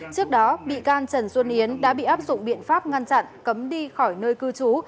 trước đó bị can trần xuân yến đã bị áp dụng biện pháp ngăn chặn cấm đi khỏi nơi cư trú